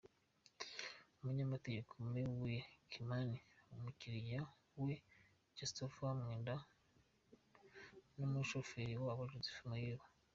Umunyamategeko Me Willie Kimani, umukiriya we Josphat Mwenda n’umushoferi wabo Joseph Muiruri.